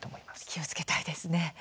気をつけたいですね。